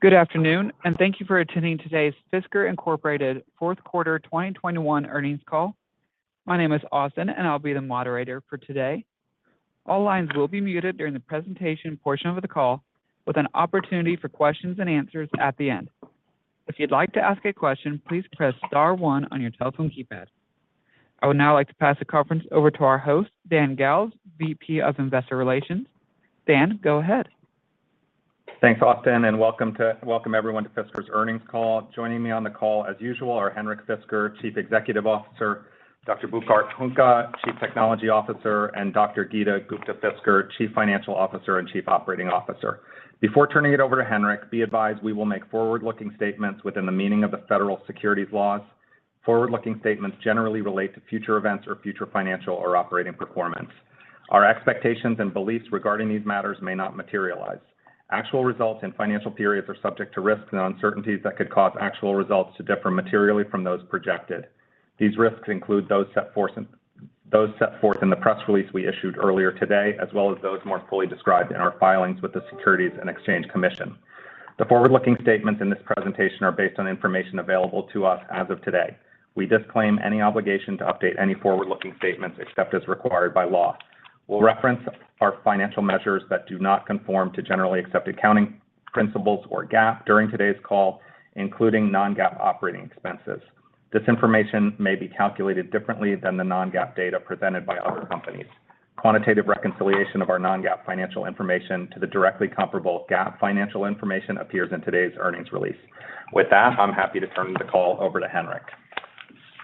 Good afternoon, and thank you for attending today's Fisker Incorporated fourth quarter 2021 earnings call. My name is Austin, and I'll be the moderator for today. All lines will be muted during the presentation portion of the call, with an opportunity for questions and answers at the end. If you'd like to ask a question, please press star one on your telephone keypad. I would now like to pass the conference over to our host, Dan Galves, VP of Investor Relations. Dan, go ahead. Thanks, Austin, and welcome everyone to Fisker's earnings call. Joining me on the call as usual are Henrik Fisker, Chief Executive Officer, Dr. Burkhard Huhnke, Chief Technology Officer, and Dr. Geeta Gupta-Fisker, Chief Financial Officer and Chief Operating Officer. Before turning it over to Henrik, be advised we will make forward-looking statements within the meaning of the federal securities laws. Forward-looking statements generally relate to future events or future financial or operating performance. Our expectations and beliefs regarding these matters may not materialize. Actual results and financial periods are subject to risks and uncertainties that could cause actual results to differ materially from those projected. These risks include those set forth in the press release we issued earlier today, as well as those more fully described in our filings with the Securities and Exchange Commission. The forward-looking statements in this presentation are based on information available to us as of today. We disclaim any obligation to update any forward-looking statements except as required by law. We'll reference our financial measures that do not conform to generally accepted accounting principles or GAAP during today's call, including non-GAAP operating expenses. This information may be calculated differently than the non-GAAP data presented by other companies. Quantitative reconciliation of our non-GAAP financial information to the directly comparable GAAP financial information appears in today's earnings release. With that, I'm happy to turn the call over to Henrik.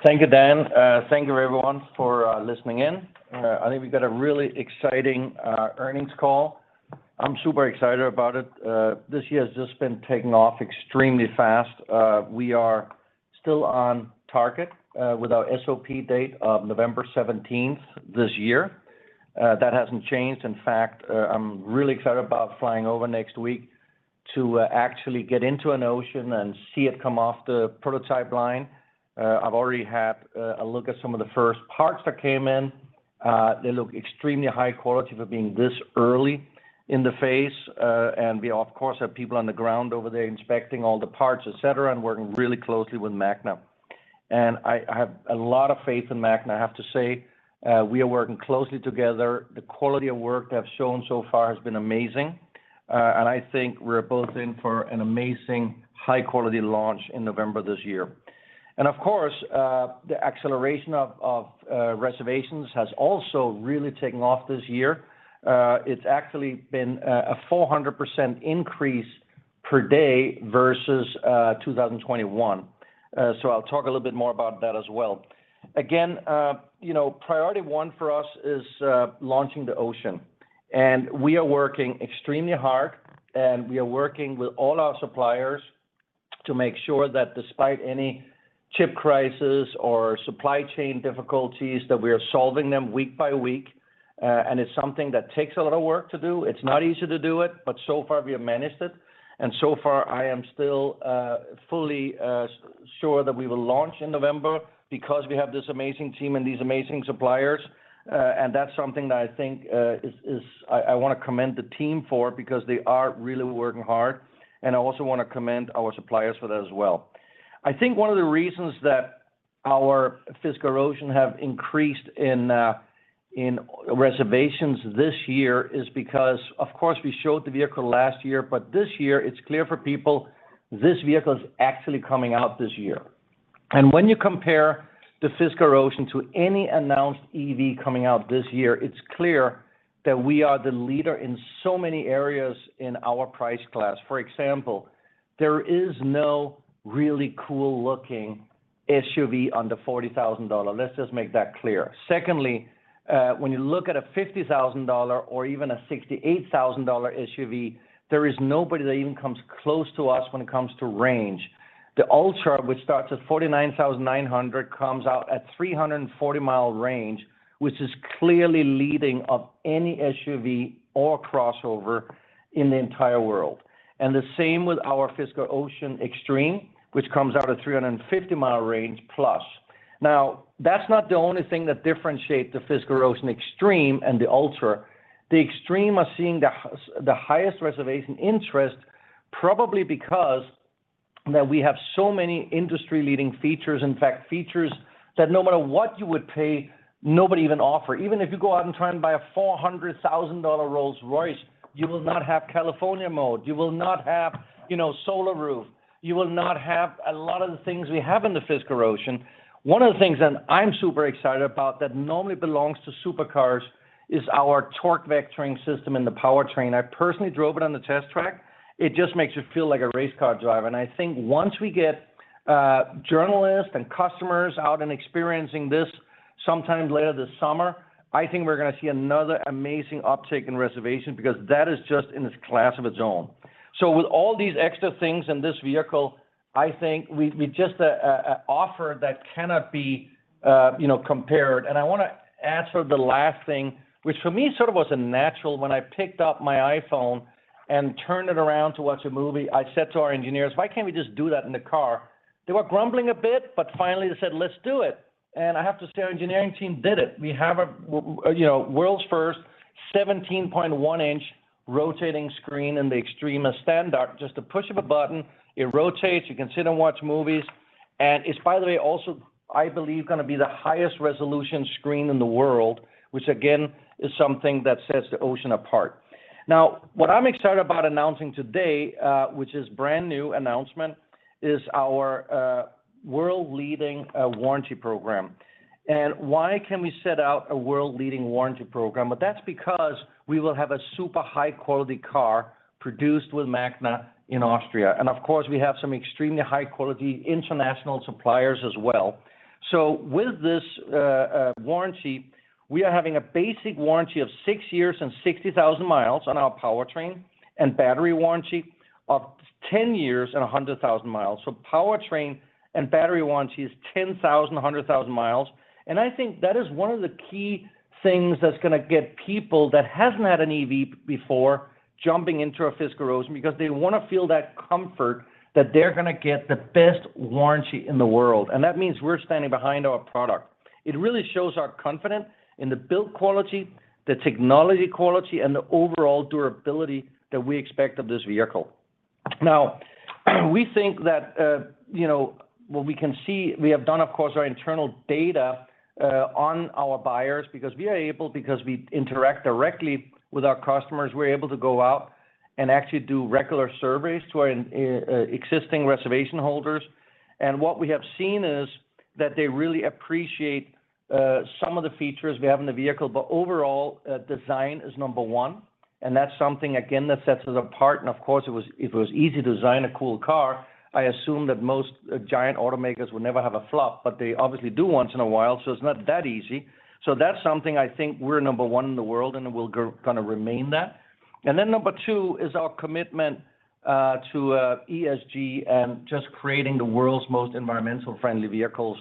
Thank you, Dan. Thank you everyone for listening in. I think we've got a really exciting earnings call. I'm super excited about it. This year has just been taking off extremely fast. We are still on target with our SOP date of November 17th this year. That hasn't changed. In fact, I'm really excited about flying over next week to actually get into an Ocean and see it come off the prototype line. I've already had a look at some of the first parts that came in. They look extremely high quality for being this early in the phase. We of course have people on the ground over there inspecting all the parts, et cetera, and working really closely with Magna. I have a lot of faith in Magna, I have to say. We are working closely together. The quality of work they have shown so far has been amazing. I think we're both in for an amazing high-quality launch in November this year. Of course, the acceleration of reservations has also really taken off this year. It's actually been a 400% increase per day versus 2021. I'll talk a little bit more about that as well. You know, priority one for us is launching the Ocean. We are working extremely hard, and we are working with all our suppliers to make sure that despite any chip crisis or supply chain difficulties, that we are solving them week by week. It's something that takes a lot of work to do. It's not easy to do it, but so far we have managed it. So far I am still fully sure that we will launch in November because we have this amazing team and these amazing suppliers. That's something that I think is. I wanna commend the team for because they are really working hard. I also wanna commend our suppliers for that as well. I think one of the reasons that our Fisker Ocean have increased in reservations this year is because, of course, we showed the vehicle last year, but this year it's clear for people this vehicle is actually coming out this year. When you compare the Fisker Ocean to any announced EV coming out this year, it's clear that we are the leader in so many areas in our price class. For example, there is no really cool-looking SUV under $40,000. Let's just make that clear. Secondly, when you look at a $50,000 or even a $68,000 SUV, there is nobody that even comes close to us when it comes to range. The Ultra, which starts at $49,900, comes out at 340-mile range, which is clearly leading of any SUV or crossover in the entire world. The same with our Fisker Ocean Extreme, which comes out at 350-mile range plus. Now, that's not the only thing that differentiate the Fisker Ocean Extreme and the Ultra. The Extreme is seeing the highest reservation interest probably because that we have so many industry-leading features. In fact, features that no matter what you would pay, nobody even offer. Even if you go out and try and buy a $400,000 Rolls-Royce, you will not have California Mode. You will not have, you know, solar roof. You will not have a lot of the things we have in the Fisker Ocean. One of the things that I'm super excited about that normally belongs to supercars is our torque vectoring system in the powertrain. I personally drove it on the test track. It just makes you feel like a race car driver. I think once we get journalists and customers out and experiencing this sometime later this summer, I think we're gonna see another amazing uptick in reservation because that is just in its class of its own. With all these extra things in this vehicle, I think we just a offer that cannot be, you know, compared. I wanna add for the last thing, which for me sort of was a natural when I picked up my iPhone and turned it around to watch a movie. I said to our engineers, "Why can't we just do that in the car?" They were grumbling a bit, but finally they said, "Let's do it." I have to say, our engineering team did it. We have a, you know, world's first 17.1-inch rotating screen in the Extreme standard, just a push of a button, it rotates, you can sit and watch movies, and it's by the way also, I believe gonna be the highest resolution screen in the world, which again, is something that sets the Ocean apart. Now, what I'm excited about announcing today, which is brand new announcement, is our world-leading warranty program. Why can we set out a world-leading warranty program? That's because we will have a super high-quality car produced with Magna in Austria. Of course, we have some extremely high-quality international suppliers as well. With this warranty, we are having a basic warranty of six years and 60,000 miles on our powertrain, and battery warranty of 10 years and 100,000 miles. Powertrain and battery warranty is 10 years, 100,000 miles. I think that is one of the key things that's gonna get people that hasn't had an EV before jumping into a Fisker Ocean because they wanna feel that comfort that they're gonna get the best warranty in the world. That means we're standing behind our product. It really shows our confidence in the build quality, the technology quality, and the overall durability that we expect of this vehicle. Now, we think that, you know, what we can see, we have done, of course, our internal data on our buyers because we are able, because we interact directly with our customers, we're able to go out and actually do regular surveys to our existing reservation holders. What we have seen is that they really appreciate some of the features we have in the vehicle, but overall, design is number one, and that's something again that sets us apart and of course, it was, if it was easy to design a cool car, I assume that most giant automakers would never have a flop, but they obviously do once in a while, so it's not that easy. That's something I think we're number one in the world, and we're gonna remain that. Then number two is our commitment to ESG and just creating the world's most environmentally friendly vehicles.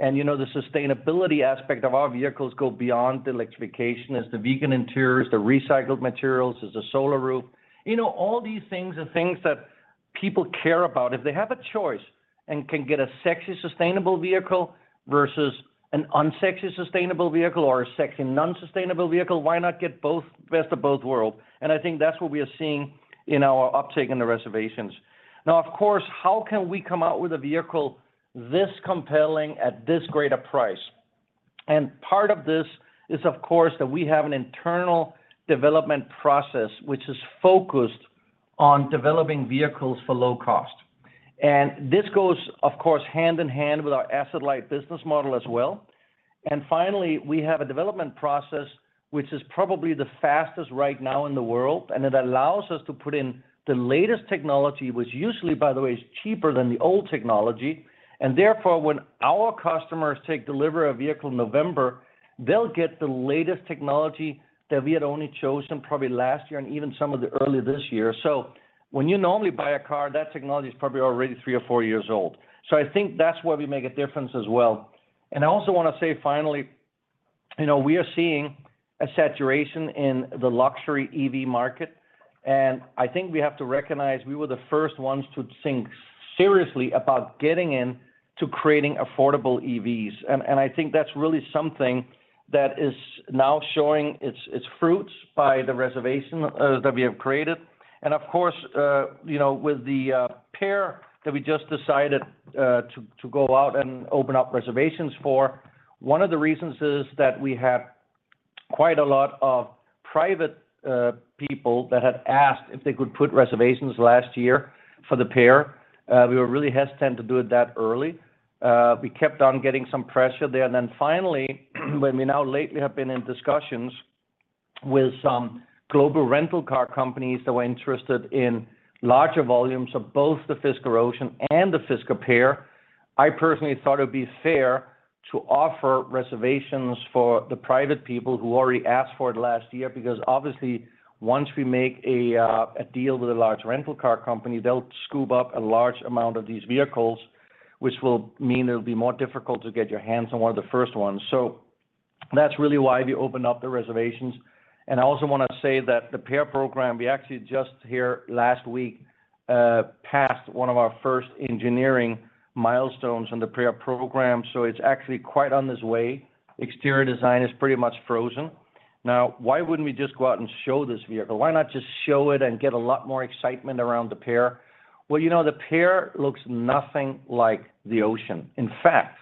You know, the sustainability aspect of our vehicles goes beyond electrification. It's the vegan interiors, the recycled materials, it's the solar roof. You know, all these things are things that people care about. If they have a choice and can get a sexy, sustainable vehicle versus an unsexy, sustainable vehicle or a sexy, non-sustainable vehicle, why not get both, best of both worlds? I think that's what we are seeing in our uptake in the reservations. Now of course, how can we come out with a vehicle this compelling at this great a price? Part of this is of course, that we have an internal development process which is focused on developing vehicles for low cost. This goes, of course, hand in hand with our asset-light business model as well. Finally, we have a development process which is probably the fastest right now in the world, and it allows us to put in the latest technology, which usually by the way, is cheaper than the old technology. Therefore, when our customers take delivery of vehicle in November, they'll get the latest technology that we had only chosen probably last year and even some of the early this year. When you normally buy a car, that technology is probably already three or four years old. I think that's where we make a difference as well. I also wanna say, finally, you know, we are seeing a saturation in the luxury EV market, and I think we have to recognize we were the first ones to think seriously about getting in to creating affordable EVs. I think that's really something that is now showing its fruits by the reservation that we have created. Of course, you know, with the Pear that we just decided to go out and open up reservations for, one of the reasons is that we have quite a lot of private people that had asked if they could put reservations last year for the Pear. We were really hesitant to do it that early. We kept on getting some pressure there. Then finally, when we now lately have been in discussions with some global rental car companies that were interested in larger volumes of both the Fisker Ocean and the Fisker Pear, I personally thought it would be fair to offer reservations for the private people who already asked for it last year, because obviously once we make a deal with a large rental car company, they'll scoop up a large amount of these vehicles, which will mean it'll be more difficult to get your hands on one of the first ones. That's really why we opened up the reservations. I also wanna say that the Pear program, we actually just here last week passed one of our first engineering milestones on the Pear program, so it's actually quite on its way. Exterior design is pretty much frozen. Now, why wouldn't we just go out and show this vehicle? Why not just show it and get a lot more excitement around the Pear? Well, you know, the Pear looks nothing like the Ocean. In fact,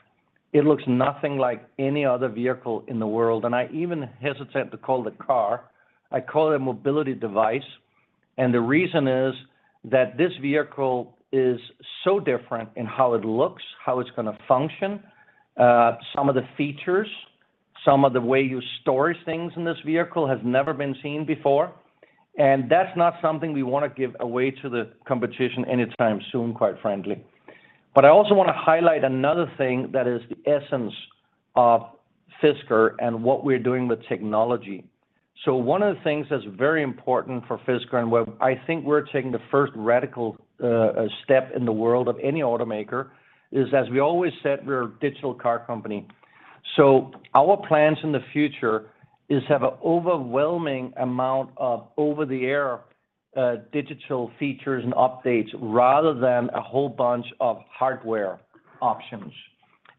it looks nothing like any other vehicle in the world. I even hesitate to call it a car. I call it a mobility device. The reason is that this vehicle is so different in how it looks, how it's gonna function, some of the features, some of the way you store things in this vehicle has never been seen before. That's not something we wanna give away to the competition anytime soon, quite frankly. I also wanna highlight another thing that is the essence of Fisker and what we're doing with technology. One of the things that's very important for Fisker, and where I think we're taking the first radical step in the world of any automaker, is, as we always said, we're a digital car company. Our plans in the future is to have an overwhelming amount of over-the-air digital features and updates rather than a whole bunch of hardware options.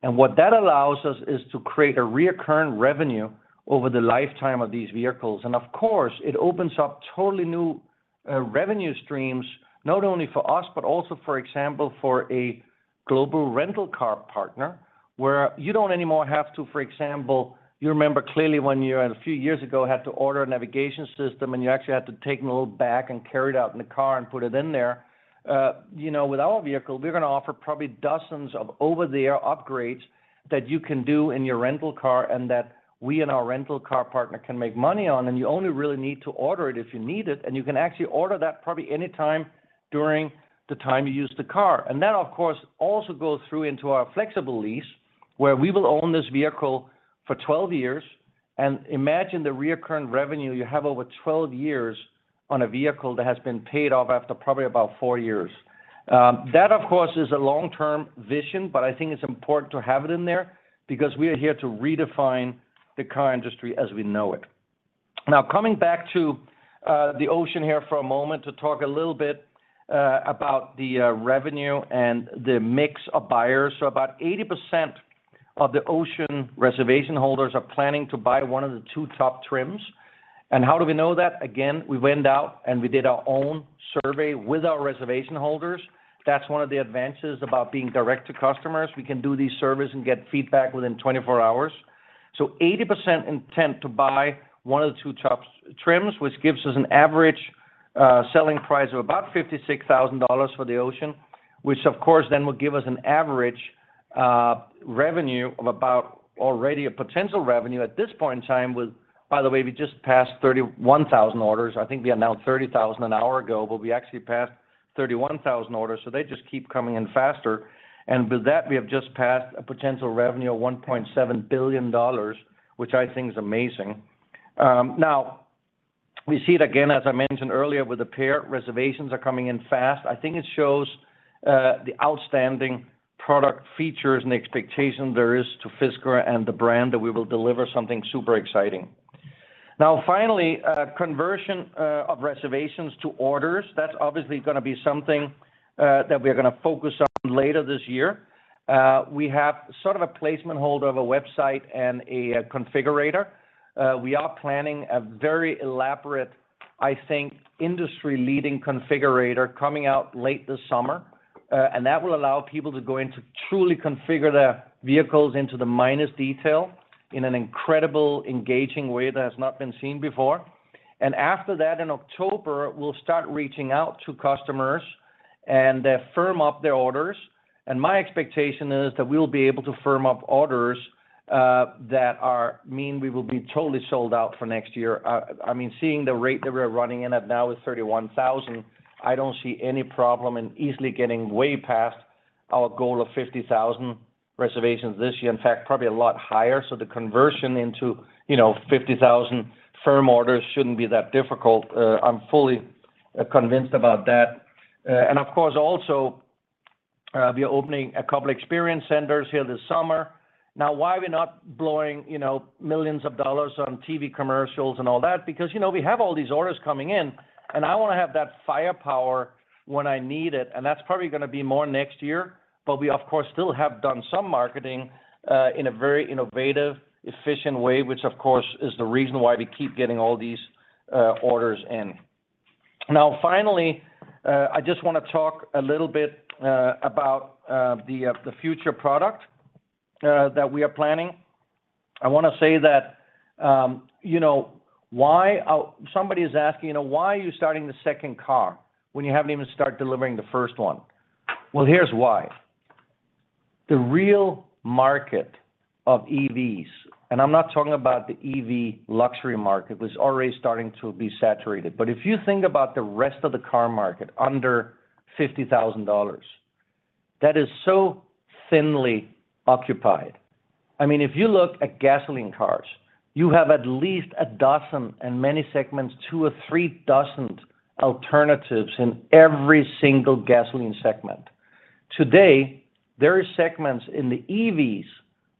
What that allows us is to create a recurring revenue over the lifetime of these vehicles. Of course, it opens up totally new revenue streams, not only for us, but also, for example, for a global rental car partner where you don't anymore have to, for example, you remember clearly when you, a few years ago, had to order a navigation system, and you actually had to take them all back and carry it out in the car and put it in there. You know, with our vehicle, we're gonna offer probably dozens of over-the-air upgrades that you can do in your rental car and that we and our rental car partner can make money on. You only really need to order it if you need it, and you can actually order that probably any time during the time you use the car. That, of course, also goes through into our flexible lease where we will own this vehicle for 12 years. Imagine the recurring revenue you have over 12 years on a vehicle that has been paid off after probably about four years. That, of course, is a long-term vision, but I think it's important to have it in there because we are here to redefine the car industry as we know it. Now, coming back to the Ocean here for a moment to talk a little bit about the revenue and the mix of buyers. About 80% of the Ocean reservation holders are planning to buy one of the two top trims. How do we know that? Again, we went out and we did our own survey with our reservation holders. That's one of the advantages about being direct to customers. We can do these surveys and get feedback within 24 hours. 80% intent to buy one of the two top trims, which gives us an average selling price of about $56,000 for the Ocean, which of course then will give us an average revenue of about already a potential revenue at this point in time with. By the way, we just passed 31,000 orders. I think we announced 30,000 an hour ago, but we actually passed 31,000 orders, so they just keep coming in faster. With that, we have just passed a potential revenue of $1.7 billion, which I think is amazing. Now we see it again, as I mentioned earlier, with the Pear, reservations are coming in fast. I think it shows the outstanding product features and expectation there is to Fisker and the brand that we will deliver something super exciting. Now finally, conversion of reservations to orders. That's obviously gonna be something that we're gonna focus on later this year. We have sort of a placeholder on the website and a configurator. We are planning a very elaborate, I think, industry-leading configurator coming out late this summer. That will allow people to go in to truly configure their vehicles into the minutest detail in an incredible, engaging way that has not been seen before. After that, in October, we'll start reaching out to customers and firm up their orders. My expectation is that we'll be able to firm up orders. I mean, we will be totally sold out for next year. I mean, seeing the rate that we're running in at now is 31,000. I don't see any problem in easily getting way past our goal of 50,000 reservations this year. In fact, probably a lot higher. The conversion into, you know, 50,000 firm orders shouldn't be that difficult. I'm fully convinced about that. Of course, also, we are opening a couple experience centers here this summer. Now, why we're not blowing, you know, millions of dollars on TV commercials and all that? Because, you know, we have all these orders coming in, and I wanna have that firepower when I need it, and that's probably gonna be more next year. We, of course, still have done some marketing in a very innovative, efficient way, which of course is the reason why we keep getting all these orders in. Now, finally, I just wanna talk a little bit about the future product that we are planning. I wanna say that, you know, why somebody is asking, "Why are you starting the second car when you haven't even start delivering the first one?" Well, here's why. The real market of EVs, and I'm not talking about the EV luxury market, was already starting to be saturated. If you think about the rest of the car market under $50,000, that is so thinly occupied. I mean, if you look at gasoline cars, you have at least a dozen, in many segments, two or three dozen alternatives in every single gasoline segment. Today, there are segments in the EVs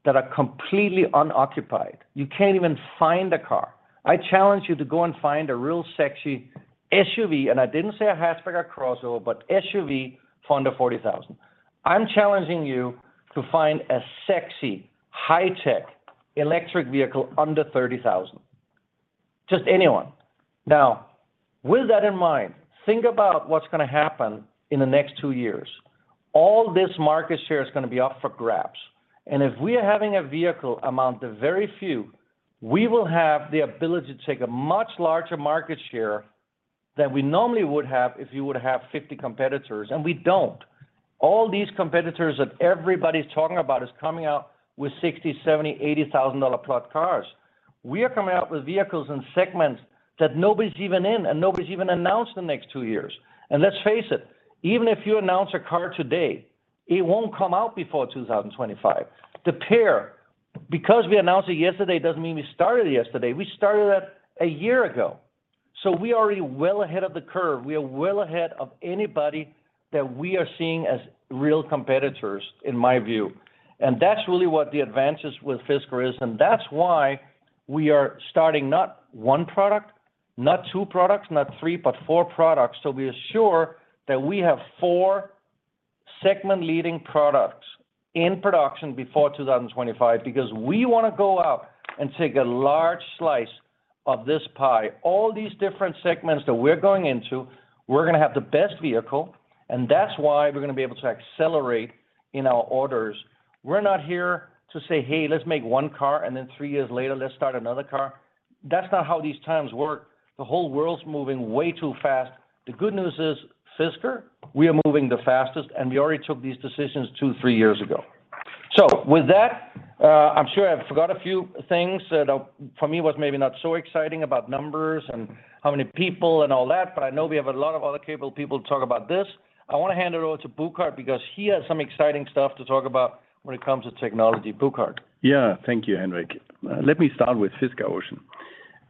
that are completely unoccupied. You can't even find a car. I challenge you to go and find a real sexy SUV, and I didn't say a hatchback or crossover, but SUV for under $40,000. I'm challenging you to find a sexy, high-tech electric vehicle under $30,000. Just any one. Now, with that in mind, think about what's gonna happen in the next two years. All this market share is gonna be up for grabs. If we are having a vehicle amount to very few, we will have the ability to take a much larger market share than we normally would have if you would have 50 competitors, and we don't. All these competitors that everybody's talking about is coming out with $60,000, $70,000, $80,000+ cars. We are coming out with vehicles and segments that nobody's even in and nobody's even announced the next two years. Let's face it, even if you announce a car today, it won't come out before 2025. The Pear, because we announced it yesterday, doesn't mean we started yesterday. We started that a year ago. We are already well ahead of the curve. We are well ahead of anybody that we are seeing as real competitors, in my view. That's really what the advances with Fisker is, and that's why we are starting not one product, but two. Not two products, not three, but four products. We be sure that we have four segment-leading products in production before 2025, because we wanna go out and take a large slice of this pie. All these different segments that we're going into, we're gonna have the best vehicle, and that's why we're gonna be able to accelerate in our orders. We're not here to say, "Hey, let's make one car, and then three years later, let's start another car." That's not how these times work. The whole world's moving way too fast. The good news is, Fisker, we are moving the fastest, and we already took these decisions two, three years ago. With that, I'm sure I forgot a few things that, for me, was maybe not so exciting about numbers and how many people and all that, but I know we have a lot of other capable people to talk about this. I wanna hand it over to Burkhard because he has some exciting stuff to talk about when it comes to technology. Burkhard. Yeah. Thank you, Henrik. Let me start with Fisker Ocean.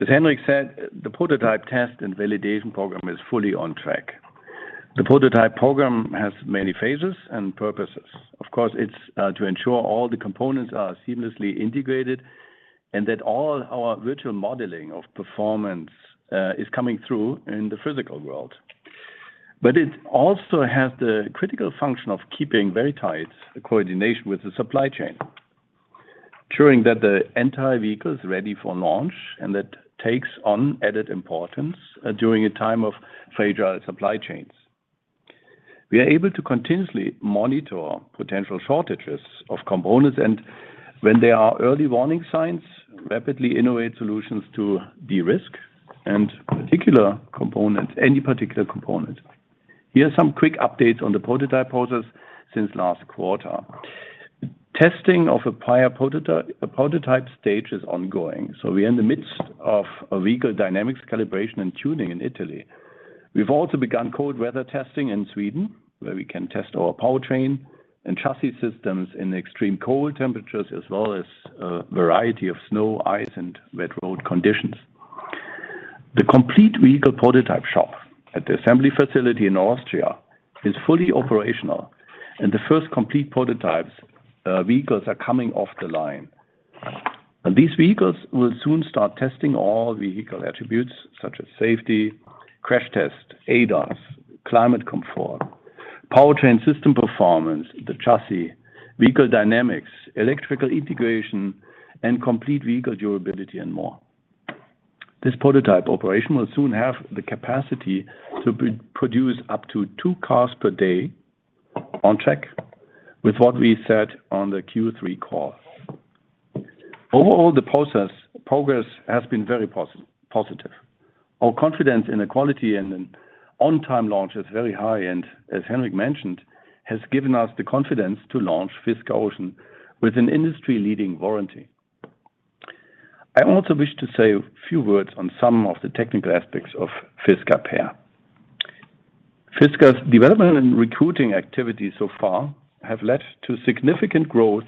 As Henrik said, the prototype test and validation program is fully on track. The prototype program has many phases and purposes. Of course, it's to ensure all the components are seamlessly integrated and that all our virtual modeling of performance is coming through in the physical world. It also has the critical function of keeping very tight coordination with the supply chain, ensuring that the entire vehicle is ready for launch, and that takes on added importance during a time of fragile supply chains. We are able to continuously monitor potential shortages of components, and when there are early warning signs, rapidly innovate solutions to de-risk any particular component. Here are some quick updates on the prototype process since last quarter. Testing of a prior prototype stage is ongoing, so we're in the midst of a vehicle dynamics calibration and tuning in Italy. We've also begun cold weather testing in Sweden, where we can test our powertrain and chassis systems in extreme cold temperatures as well as a variety of snow, ice, and wet road conditions. The complete vehicle prototype shop at the assembly facility in Austria is fully operational, and the first complete prototypes, vehicles are coming off the line. These vehicles will soon start testing all vehicle attributes, such as safety, crash test, ADAS, climate comfort, powertrain system performance, the chassis, vehicle dynamics, electrical integration, and complete vehicle durability and more. This prototype operation will soon have the capacity to produce up to two cars per day on track with what we said on the Q3 call. Overall, the process progress has been very positive. Our confidence in the quality and in on-time launch is very high and, as Henrik mentioned, has given us the confidence to launch Fisker Ocean with an industry-leading warranty. I also wish to say a few words on some of the technical aspects of Fisker Pear. Fisker's development and recruiting activities so far have led to significant growth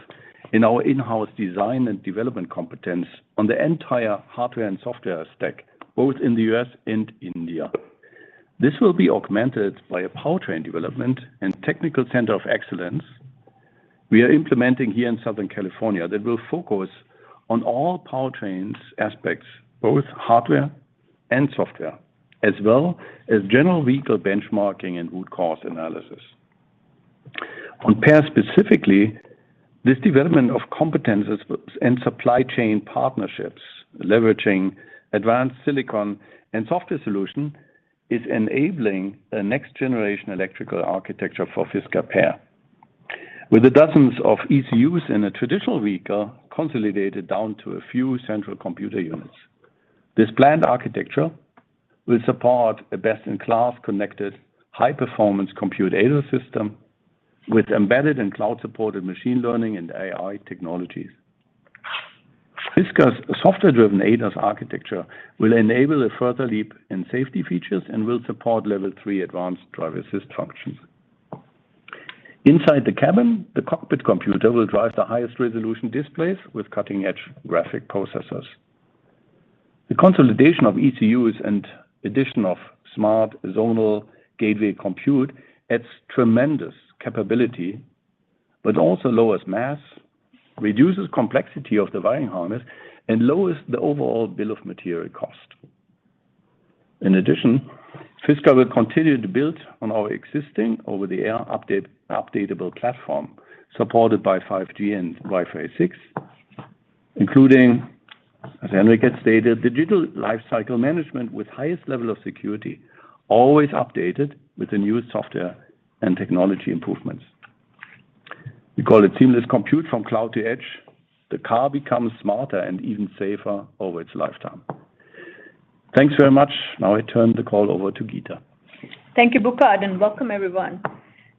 in our in-house design and development competence on the entire hardware and software stack, both in the U.S. and India. This will be augmented by a powertrain development and technical center of excellence we are implementing here in Southern California that will focus on all powertrains aspects, both hardware and software, as well as general vehicle benchmarking and root cause analysis. On Pear specifically, this development of competencies and supply chain partnerships leveraging advanced silicon and software solution is enabling a next-generation electrical architecture for Fisker Pear. With the dozens of EUCs in a traditional vehicle consolidated down to a few central computer units. This planned architecture will support a best-in-class connected high-performance compute ADAS system with embedded and cloud-supported machine learning and AI technologies. Fisker's software-driven ADAS architecture will enable a further leap in safety features and will support Level three advanced driver-assist functions. Inside the cabin, the cockpit computer will drive the highest resolution displays with cutting-edge graphic processors. The consolidation of ECUs and addition of smart zonal gateway compute adds tremendous capability, but also lowers mass, reduces complexity of the wiring harness, and lowers the overall bill of material cost. In addition, Fisker will continue to build on our existing over-the-air update updatable platform supported by 5G and Wi-Fi 6, including, as Henrik had stated, digital lifecycle management with highest level of security, always updated with the new software and technology improvements. We call it seamless compute from cloud to edge. The car becomes smarter and even safer over its lifetime. Thanks very much. Now I turn the call over to Geeta. Thank you, Burkhard, and welcome everyone.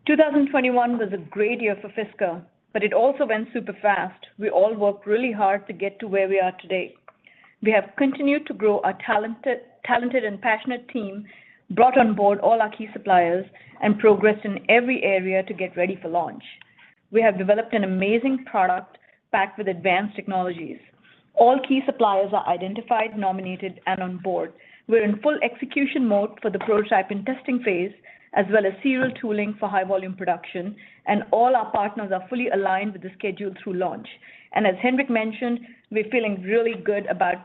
2021 was a great year for Fisker, but it also went super fast. We all worked really hard to get to where we are today. We have continued to grow our talented and passionate team, brought on board all our key suppliers, and progressed in every area to get ready for launch. We have developed an amazing product packed with advanced technologies. All key suppliers are identified, nominated, and on board. We're in full execution mode for the prototype and testing phase, as well as serial tooling for high volume production, and all our partners are fully aligned with the schedule through launch. As Henrik mentioned, we're feeling really good about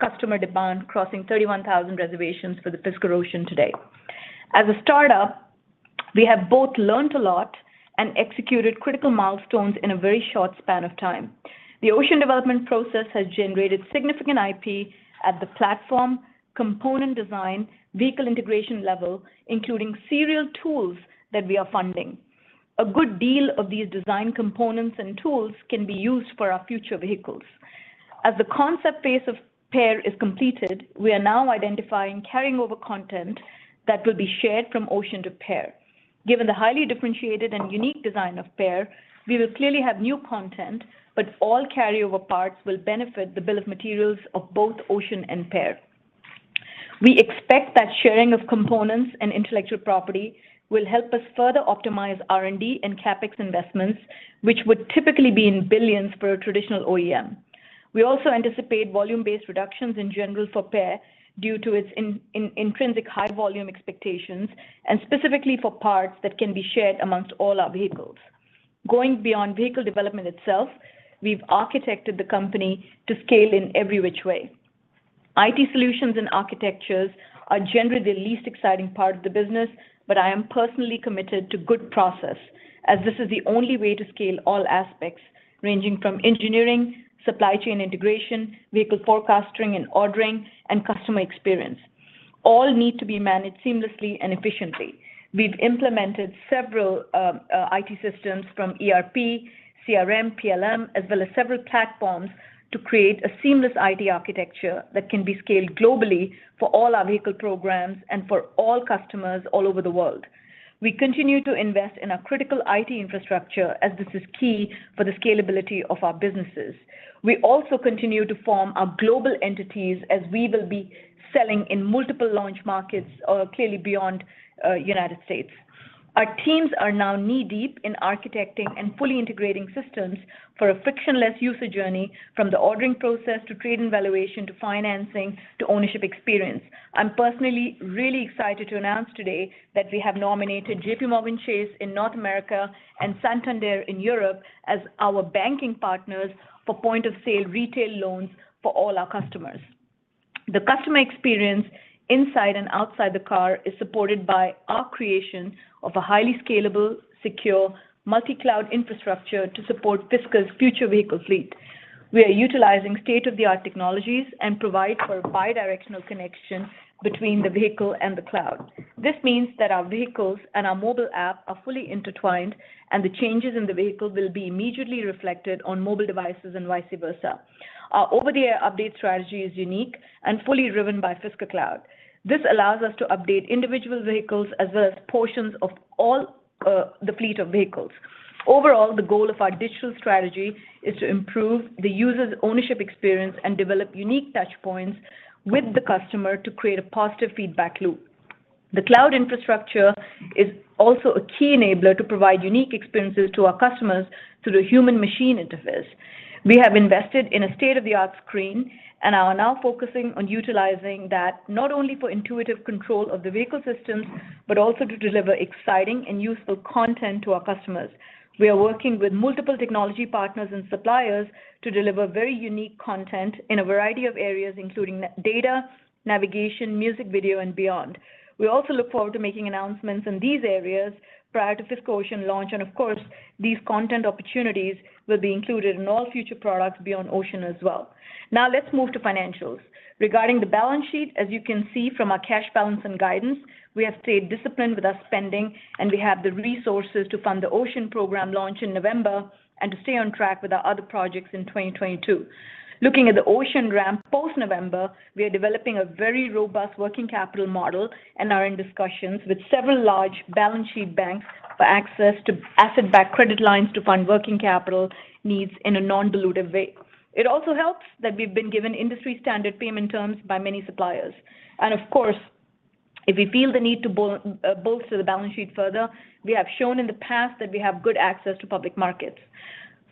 customer demand crossing 31,000 reservations for the Fisker Ocean today. As a startup, we have both learned a lot and executed critical milestones in a very short span of time. The Ocean development process has generated significant IP at the platform, component design, vehicle integration level, including serial tools that we are funding. A good deal of these design components and tools can be used for our future vehicles. As the concept phase of Pear is completed, we are now identifying carryover content that will be shared from Ocean to Pear. Given the highly differentiated and unique design of Pear, we will clearly have new content, but all carryover parts will benefit the bill of materials of both Ocean and Pear. We expect that sharing of components and intellectual property will help us further optimize R&D and CapEx investments, which would typically be in billions for a traditional OEM. We also anticipate volume-based reductions in general for PEAR due to its intrinsic high volume expectations and specifically for parts that can be shared among all our vehicles. Going beyond vehicle development itself, we've architected the company to scale in every which way. IT solutions and architectures are generally the least exciting part of the business, but I am personally committed to good process as this is the only way to scale all aspects ranging from engineering, supply chain integration, vehicle forecasting and ordering, and customer experience. All need to be managed seamlessly and efficiently. We've implemented several IT systems from ERP, CRM, PLM, as well as several platforms to create a seamless IT architecture that can be scaled globally for all our vehicle programs and for all customers all over the world. We continue to invest in our critical IT infrastructure as this is key for the scalability of our businesses. We also continue to form our global entities as we will be selling in multiple launch markets or clearly beyond United States. Our teams are now knee-deep in architecting and fully integrating systems for a frictionless user journey from the ordering process to trade-in valuation, to financing, to ownership experience. I'm personally really excited to announce today that we have nominated JPMorgan Chase in North America and Santander in Europe as our banking partners for point-of-sale retail loans for all our customers. The customer experience inside and outside the car is supported by our creation of a highly scalable, secure, multi-cloud infrastructure to support Fisker's future vehicle fleet. We are utilizing state-of-the-art technologies and provide for bi-directional connection between the vehicle and the cloud. This means that our vehicles and our mobile app are fully intertwined, and the changes in the vehicle will be immediately reflected on mobile devices and vice versa. Our over-the-air update strategy is unique and fully driven by Fisker cloud. This allows us to update individual vehicles as well as portions of all the fleet of vehicles. Overall, the goal of our digital strategy is to improve the user's ownership experience and develop unique touch points with the customer to create a positive feedback loop. The cloud infrastructure is also a key enabler to provide unique experiences to our customers through the human machine interface. We have invested in a state-of-the-art screen and are now focusing on utilizing that not only for intuitive control of the vehicle systems, but also to deliver exciting and useful content to our customers. We are working with multiple technology partners and suppliers to deliver very unique content in a variety of areas, including data, navigation, music video, and beyond. We also look forward to making announcements in these areas prior to Fisker Ocean launch, and of course, these content opportunities will be included in all future products beyond Ocean as well. Now let's move to financials. Regarding the balance sheet, as you can see from our cash balance and guidance, we have stayed disciplined with our spending, and we have the resources to fund the Ocean program launch in November and to stay on track with our other projects in 2022. Looking at the Ocean ramp post November, we are developing a very robust working capital model and are in discussions with several large balance sheet banks for access to asset-backed credit lines to fund working capital needs in a non-dilutive way. It also helps that we've been given industry-standard payment terms by many suppliers. Of course, if we feel the need to bolster the balance sheet further, we have shown in the past that we have good access to public markets.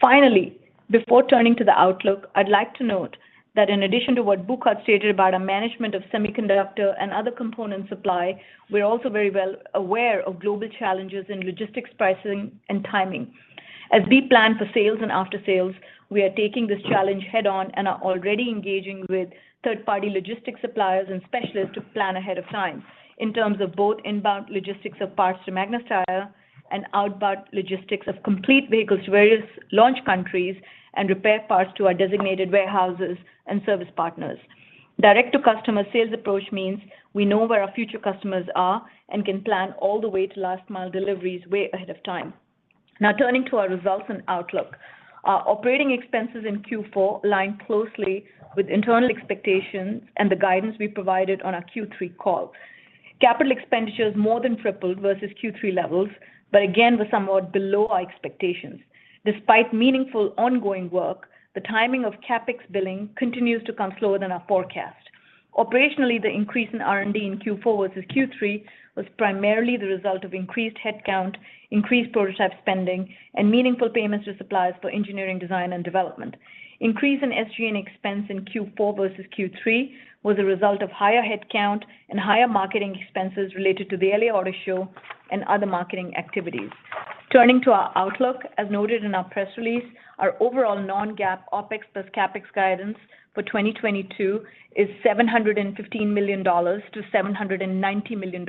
Finally, before turning to the outlook, I'd like to note that in addition to what Burkhard stated about our management of semiconductor and other component supply, we're also very well aware of global challenges in logistics pricing and timing. As we plan for sales and after sales, we are taking this challenge head-on and are already engaging with third-party logistics suppliers and specialists to plan ahead of time in terms of both inbound logistics of parts to Magna Steyr and outbound logistics of complete vehicles to various launch countries and repair parts to our designated warehouses and service partners. Direct-to-customer sales approach means we know where our future customers are and can plan all the way to last mile deliveries way ahead of time. Now turning to our results and outlook. Our operating expenses in Q4 lined closely with internal expectations and the guidance we provided on our Q3 call. Capital expenditures more than tripled versus Q3 levels, but again, were somewhat below our expectations. Despite meaningful ongoing work, the timing of CapEx billing continues to come slower than our forecast. Operationally, the increase in R&D in Q4 versus Q3 was primarily the result of increased headcount, increased prototype spending, and meaningful payments to suppliers for engineering, design, and development. Increase in SG&A expense in Q4 versus Q3 was a result of higher headcount and higher marketing expenses related to the LA Auto Show and other marketing activities. Turning to our outlook, as noted in our press release, our overall non-GAAP OpEx plus CapEx guidance for 2022 is $715 million-$790 million.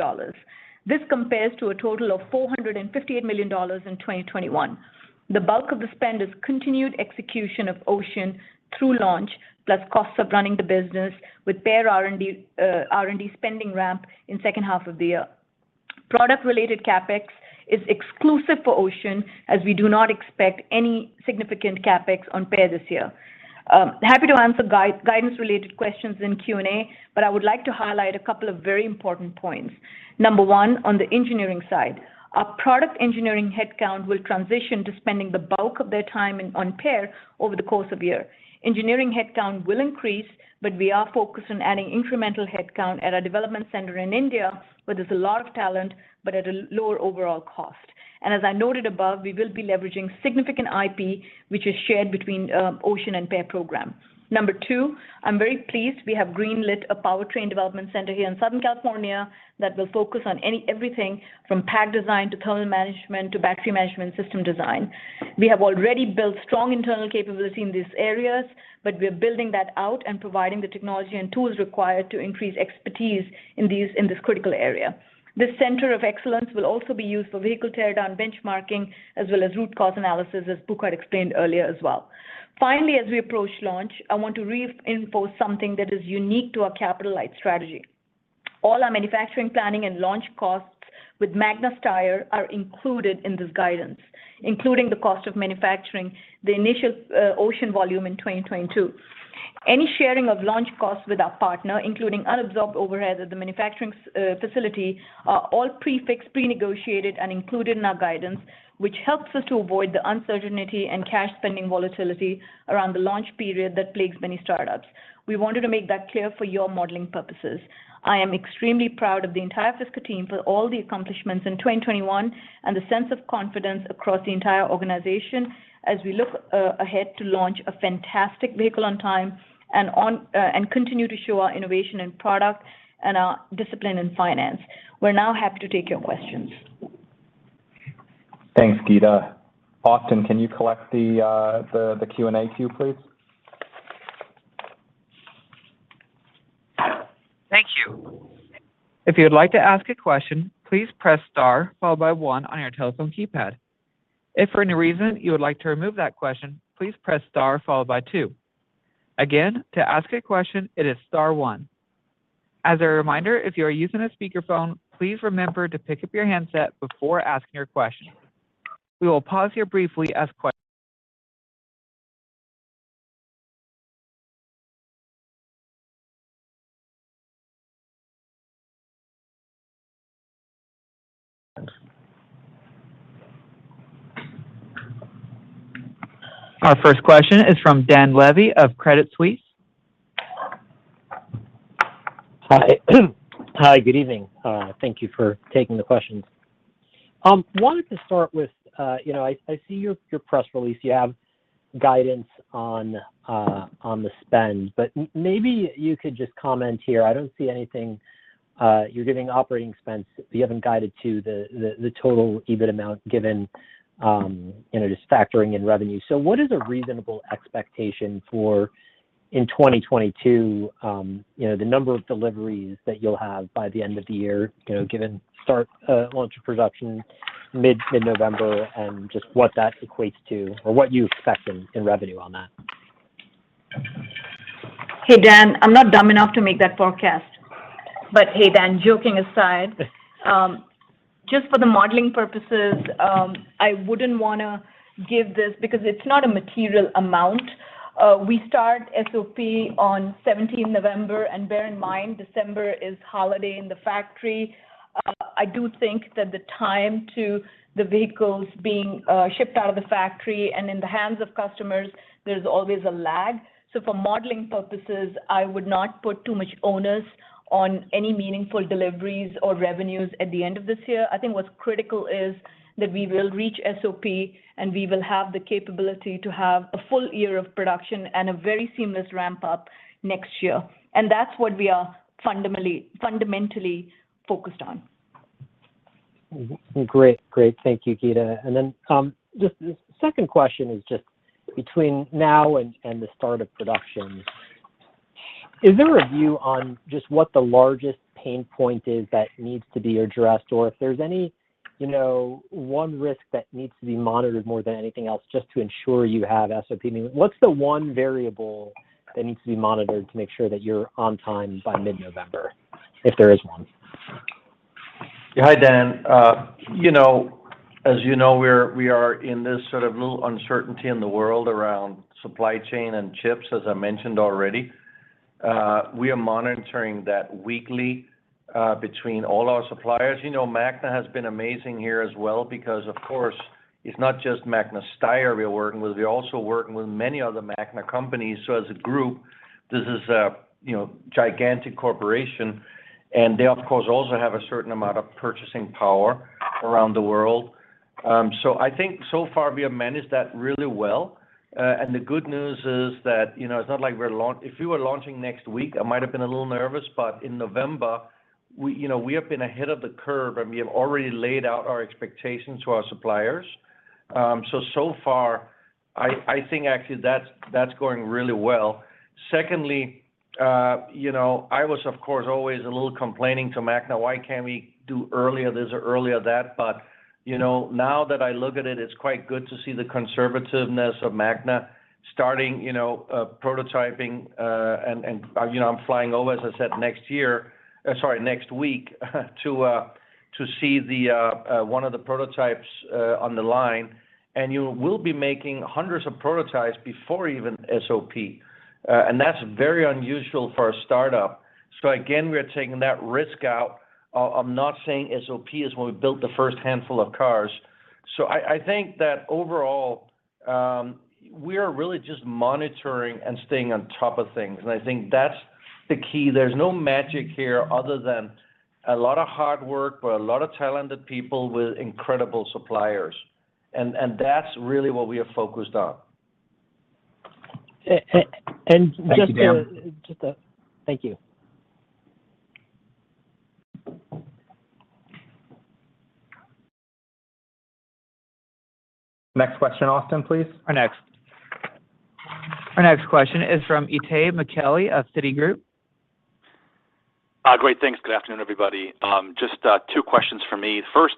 This compares to a total of $458 million in 2021. The bulk of the spend is continued execution of Ocean through launch, plus costs of running the business with Pear R&D, R&D spending ramp in second half of the year. Product-related CapEx is exclusive for Ocean, as we do not expect any significant CapEx on Pear this year. Happy to answer guidance-related questions in Q&A, but I would like to highlight a couple of very important points. Number one, on the engineering side. Our product engineering headcount will transition to spending the bulk of their time in on Pear over the course of the year. Engineering headcount will increase, but we are focused on adding incremental headcount at our development center in India, where there's a lot of talent but at a lower overall cost. As I noted above, we will be leveraging significant IP, which is shared between Ocean and Pear program. Number two, I'm very pleased we have green-lit a powertrain development center here in Southern California that will focus on everything from pack design, to thermal management, to battery management system design. We have already built strong internal capability in these areas, but we are building that out and providing the technology and tools required to increase expertise in this critical area. This center of excellence will also be used for vehicle teardown benchmarking, as well as root cause analysis, as Burkhard explained earlier as well. Finally, as we approach launch, I want to re-emphasize something that is unique to our capital-light strategy. All our manufacturing planning and launch costs with Magna Steyr are included in this guidance, including the cost of manufacturing the initial Ocean volume in 2022. Any sharing of launch costs with our partner, including unabsorbed overhead at the manufacturing Steyr facility, are all fixed, prenegotiated, and included in our guidance, which helps us to avoid the uncertainty and cash spending volatility around the launch period that plagues many startups. We wanted to make that clear for your modeling purposes. I am extremely proud of the entire Fisker team for all the accomplishments in 2021, and the sense of confidence across the entire organization as we look ahead to launch a fantastic vehicle on time and continue to show our innovation in product and our discipline in finance. We're now happy to take your questions. Thanks, Geeta. Austin, can you collect the Q&A queue, please? Thank you. If you would like to ask a question, please press star followed by one on your telephone keypad. If for any reason you would like to remove that question, please press star followed by two. Again, to ask a question, it is star one. As a reminder, if you are using a speakerphone, please remember to pick up your handset before asking your question. We will pause here briefly. Our first question is from Dan Levy of Credit Suisse. Hi. Hi, good evening. Thank you for taking the questions. Wanted to start with, you know, I see your press release, you have guidance on the spend, but maybe you could just comment here. I don't see anything, you're giving operating expense, but you haven't guided to the total EBIT amount given, you know, just factoring in revenue. What is a reasonable expectation for, in 2022, you know, the number of deliveries that you'll have by the end of the year, you know, given start launch of production mid-November, and just what that equates to or what you expect in revenue on that? Hey, Dan. I'm not dumb enough to make that forecast. Hey, Dan, joking aside, just for the modeling purposes, I wouldn't wanna give this because it's not a material amount. We start SOP on seventeenth November, and bear in mind, December is holiday in the factory. I do think that the time to the vehicles being shipped out of the factory and in the hands of customers, there's always a lag. For modeling purposes, I would not put too much onus on any meaningful deliveries or revenues at the end of this year. I think what's critical is that we will reach SOP, and we will have the capability to have a full year of production and a very seamless ramp-up next year. That's what we are fundamentally focused on. Great. Thank you, Geeta. Just the second question is just between now and the start of production, is there a view on just what the largest pain point is that needs to be addressed? Or if there's any, you know, one risk that needs to be monitored more than anything else just to ensure you have SOP? I mean, what's the one variable that needs to be monitored to make sure that you're on time by mid-November, if there is one? Yeah, hi, Dan. You know, as you know, we are in this sort of little uncertainty in the world around supply chain and chips, as I mentioned already. We are monitoring that weekly between all our suppliers. You know, Magna has been amazing here as well because, of course, it's not just Magna Steyr we are working with. We're also working with many other Magna companies. As a group, this is a, you know, gigantic corporation, and they of course also have a certain amount of purchasing power around the world. I think so far we have managed that really well. The good news is that, you know, if we were launching next week, I might have been a little nervous, but in November, you know, we have been ahead of the curve, and we have already laid out our expectations to our suppliers. So far, I think actually that's going really well. Secondly, you know, I was, of course, always a little complaining to Magna, "Why can't we do earlier this or earlier that?" Now that I look at it's quite good to see the conservativeness of Magna starting, you know, prototyping. You know, I'm flying over, as I said, next week to see one of the prototypes on the line. You will be making hundreds of prototypes before even SOP. That's very unusual for a startup. Again, we are taking that risk out. I'm not saying SOP is when we built the first handful of cars. I think that overall, we are really just monitoring and staying on top of things, and I think that's the key. There's no magic here other than a lot of hard work by a lot of talented people with incredible suppliers, and that's really what we are focused on. Just to- Thank you, Dan. Thank you. Next question, Austin, please. Our next question is from Itay Michaeli of Citigroup. Great. Thanks. Good afternoon, everybody. Just two questions from me. First,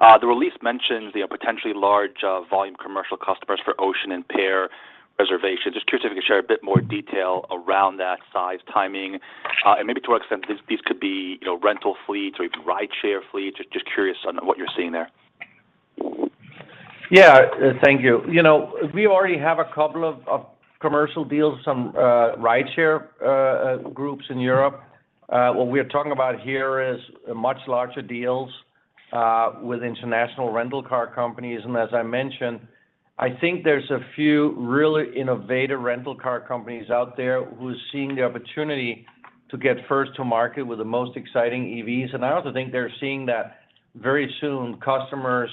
the release mentions the potentially large volume commercial customers for Ocean and Pear reservation. Just curious if you could share a bit more detail around that size, timing, and maybe to what extent this could be, you know, rental fleets or even rideshare fleets. Just curious on what you're seeing there. Yeah. Thank you. You know, we already have a couple of commercial deals, some rideshare groups in Europe. What we're talking about here is much larger deals with international rental car companies. As I mentioned, I think there's a few really innovative rental car companies out there who's seeing the opportunity to get first to market with the most exciting EVs. I also think they're seeing that very soon customers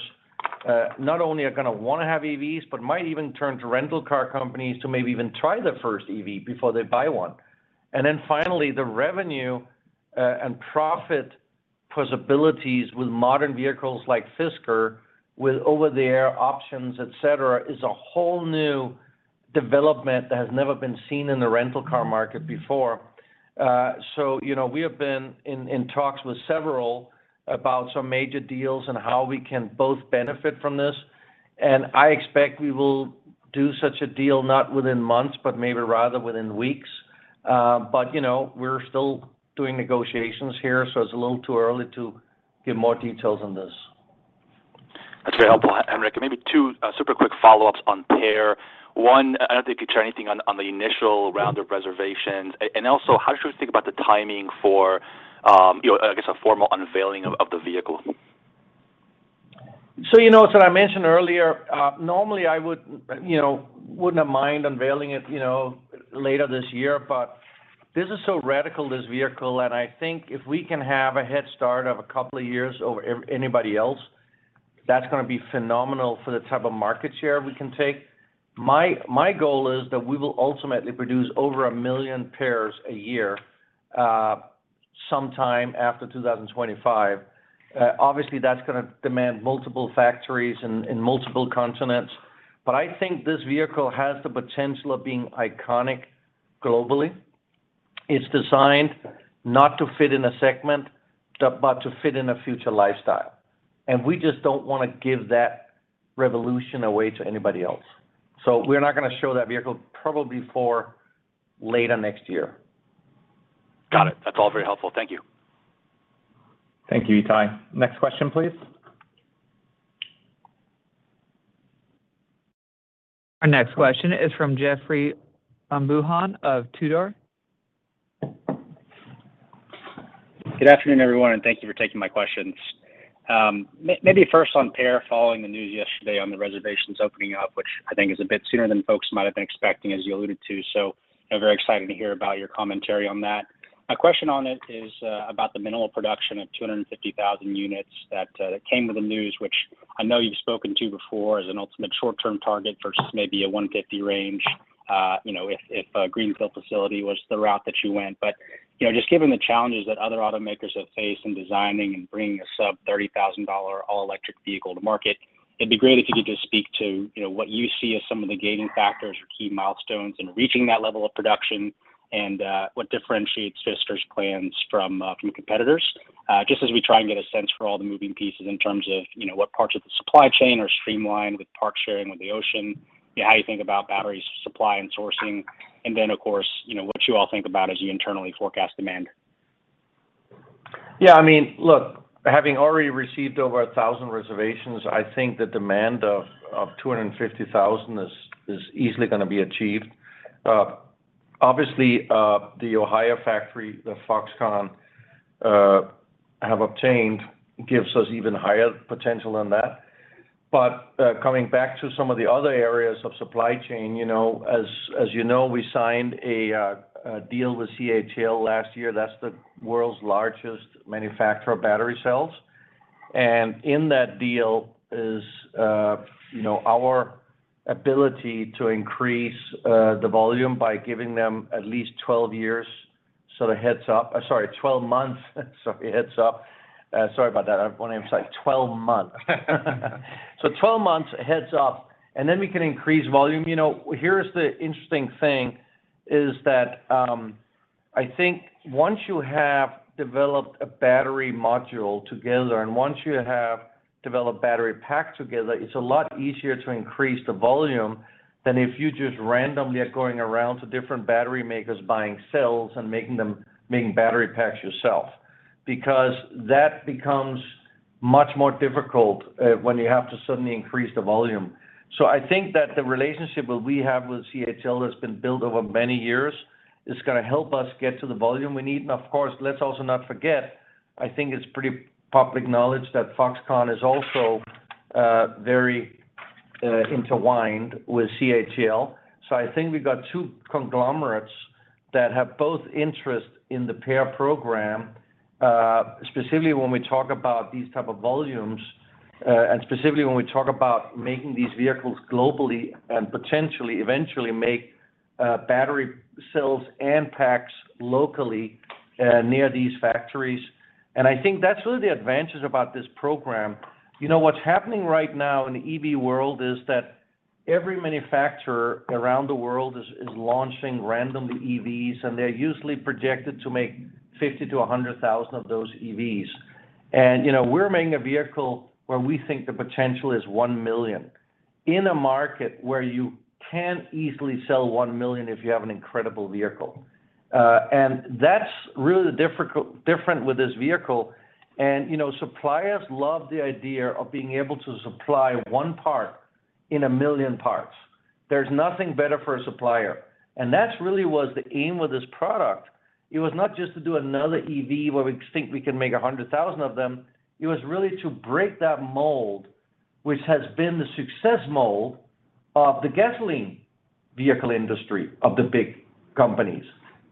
not only are gonna wanna have EVs, but might even turn to rental car companies to maybe even try their first EV before they buy one. Then finally, the revenue and profit possibilities with modern vehicles like Fisker with over-the-air options, et cetera, is a whole new development that has never been seen in the rental car market before. You know, we have been in talks with several about some major deals and how we can both benefit from this. I expect we will do such a deal, not within months, but maybe rather within weeks. You know, we're still doing negotiations here, so it's a little too early to give more details on this. That's very helpful, Henrik. Maybe two super quick follow-ups on PEAR. One, I don't know if you could share anything on the initial round of reservations. And how should we think about the timing for, you know, a formal unveiling of the vehicle? You know, as I mentioned earlier, normally I would, you know, wouldn't have minded unveiling it, you know, later this year. This is so radical, this vehicle, and I think if we can have a head start of a couple of years over EV anybody else, that's gonna be phenomenal for the type of market share we can take. My goal is that we will ultimately produce over a million Pears a year, sometime after 2025. Obviously, that's gonna demand multiple factories in multiple continents. I think this vehicle has the potential of being iconic globally. It's designed not to fit in a segment, but to fit in a future lifestyle. We just don't wanna give that revolution away to anybody else. We're not gonna show that vehicle probably before later next year. Got it. That's all very helpful. Thank you. Thank you, Itay. Next question, please. Our next question is from Jeffrey Osborne of TD Cowen. Good afternoon, everyone, and thank you for taking my questions. Maybe first on Pear, following the news yesterday on the reservations opening up, which I think is a bit sooner than folks might have been expecting, as you alluded to, so, you know, very exciting to hear about your commentary on that. My question on it is about the minimal production of 250,000 units that came with the news, which I know you've spoken to before as an ultimate short-term target versus maybe a 150 range, you know, if a greenfield facility was the route that you went. You know, just given the challenges that other automakers have faced in designing and bringing a sub-$30,000 all-electric vehicle to market, it'd be great if you could just speak to, you know, what you see as some of the gating factors or key milestones in reaching that level of production and what differentiates Fisker's plans from competitors. Just as we try and get a sense for all the moving pieces in terms of, you know, what parts of the supply chain are streamlined with parts sharing with the Ocean. You know, how you think about battery supply and sourcing. Then, of course, you know, what you all think about as you internally forecast demand. Yeah, I mean, look, having already received over 1,000 reservations, I think the demand of 250,000 is easily gonna be achieved. Obviously, the Ohio factory that Foxconn have obtained gives us even higher potential than that. Coming back to some of the other areas of supply chain, you know, as you know, we signed a deal with CATL last year. That's the world's largest manufacturer of battery cells. In that deal is, you know, our ability to increase the volume by giving them at least 12 months sort of heads up. Sorry, 12 months sort of heads up. Sorry about that. I want to say 12 months. 12 months heads up, and then we can increase volume. You know, here's the interesting thing is that, I think once you have developed a battery module together, and once you have developed battery pack together, it's a lot easier to increase the volume than if you're just randomly going around to different battery makers buying cells and making battery packs yourself. Because that becomes much more difficult, when you have to suddenly increase the volume. I think that the relationship that we have with CATL that's been built over many years is gonna help us get to the volume we need. Of course, let's also not forget, I think it's pretty public knowledge that Foxconn is also, very, intertwined with CATL. I think we've got two conglomerates that have both interest in the Pear program, specifically when we talk about these type of volumes, and specifically when we talk about making these vehicles globally and potentially eventually make battery cells and packs locally, near these factories. I think that's really the advantage about this program. You know, what's happening right now in the EV world is that every manufacturer around the world is launching randomly EVs, and they're usually projected to make 50,000-100,000 of those EVs. You know, we're making a vehicle where we think the potential is one million in a market where you can easily sell one million if you have an incredible vehicle. That's really the different with this vehicle. You know, suppliers love the idea of being able to supply one part in a million parts. There's nothing better for a supplier. That's really was the aim of this product. It was not just to do another EV where we think we can make 100,000 of them. It was really to break that mold, which has been the success mold of the gasoline vehicle industry of the big companies.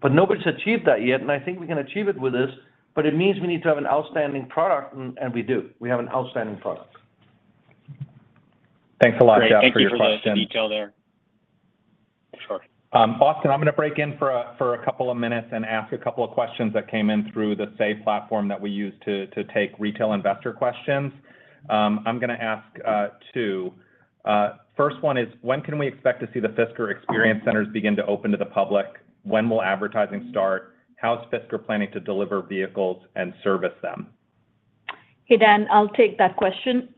Nobody's achieved that yet, and I think we can achieve it with this, but it means we need to have an outstanding product, and we do. We have an outstanding product. Thanks a lot, Henrik, for your question. Great. Thank you for the detail there. Sure. Austin, I'm gonna break in for a couple of minutes and ask a couple of questions that came in through the Say platform that we use to take retail investor questions. I'm gonna ask two. First one is: When can we expect to see the Fisker experience centers begin to open to the public? When will advertising start? How is Fisker planning to deliver vehicles and service them? Hey, Dan. I'll take that question.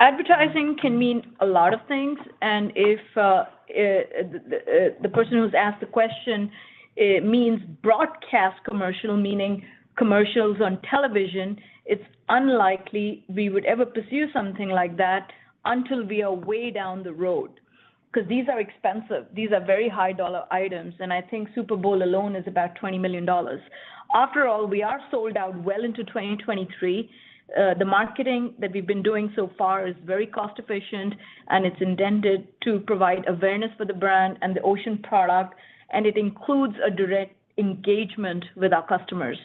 Advertising can mean a lot of things. If the person who's asked the question, it means broadcast commercial, meaning commercials on television, it's unlikely we would ever pursue something like that until we are way down the road. Because these are expensive. These are very high-dollar items, and I think Super Bowl alone is about $20 million. After all, we are sold out well into 2023. The marketing that we've been doing so far is very cost efficient, and it's intended to provide awareness for the brand and the Ocean product, and it includes a direct engagement with our customers.